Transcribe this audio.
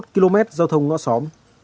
một trăm chín mươi một km giao thông ngõ xóm